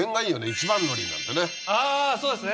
あぁそうですね。